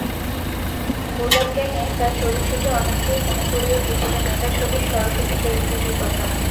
গুলাব গ্যাংয়ে তাঁর চরিত্রটি অনেককেই মনে করিয়ে দিচ্ছে বেটা ছবির স্বরসতী চরিত্রটির কথা।